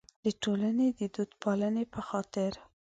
د ټولنې د دودپالنې په خاطر.